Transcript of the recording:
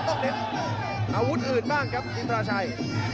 ต้องเล็กอาวุธอื่นบ้างครับอินทาชัย